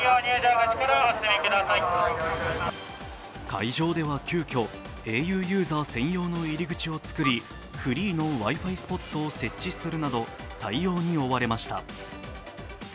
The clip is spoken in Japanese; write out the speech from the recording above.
会場では急きょ、ａｕユーザー専用の入り口を作り、フリーのＷｉ−Ｆｉスポットを設置するなど対応に追われました。